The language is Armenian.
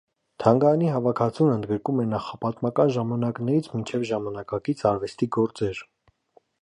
Թանգարանի հավաքածուն ընդգրկում է նախապատմական ժամանակներից մինչև ժամանակակից արվեստի գործեր։